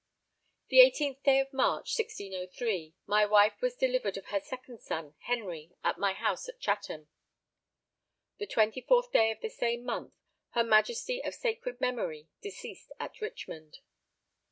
The 18th day of March 1603, my wife was delivered of her second son, Henry, at my house at Chatham. The 24th day of the same month, her Majesty of sacred memory deceased at Richmond.